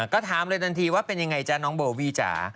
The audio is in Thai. ก็ถามเลยทันทีว่าเป็นยังไงจ๊ะน้องโบวี่จ๋า